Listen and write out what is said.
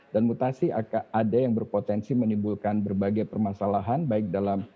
dan mutasi ada yang berpotensi menimbulkan berbagai permasalahan baik dalam